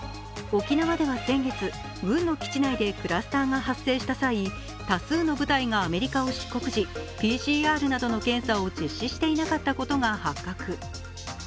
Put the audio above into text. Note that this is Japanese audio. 沖縄では先月、軍の基地内でクラスターが発生した際多数の部隊がアメリカを出国時、ＰＣＲの検査などを実施していなかったことが発覚。